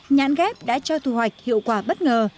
nhãn ghép đã cho thu hoạch hiệu quả bất ngờ